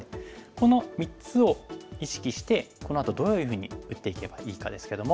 この３つを意識してこのあとどういうふうに打っていけばいいかですけども。